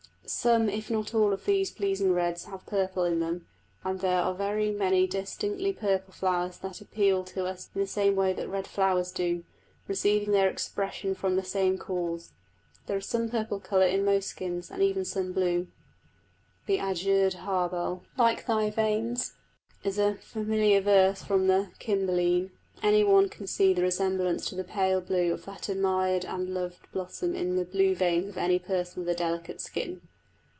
Some if not all of these pleasing reds have purple in them, and there are very many distinctly purple flowers that appeal to us in the same way that red flowers do, receiving their expression from the same cause. There is some purple colour in most skins, and even some blue. The azured harebell, like thy veins, is a familiar verse from Cymbeline; any one can see the resemblance to the pale blue of that admired and loved blossom in the blue veins of any person with a delicate skin.